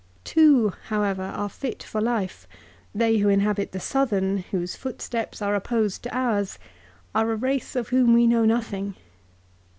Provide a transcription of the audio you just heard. Two, however, are fit for life. They who inhabit the southern, whose footsteps are opposed to ours, are a race of whom we know nothing.